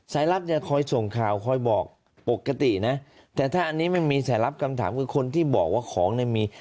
สายลับเนี่ยคอยส่งข่าวคอยบอกปกตินะแต่ถ้าอันนี้ไม่มีสายลับคำถามคือคนที่บอกว่าของเนี่ยมี